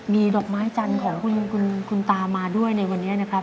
มีดอกไม้จันทร์ของคุณตามาด้วยในวันนี้นะครับ